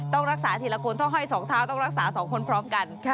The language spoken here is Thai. ต้องรักษาทีละคนต้องให้๒เท้าต้องรักษา๒คนพร้อมกัน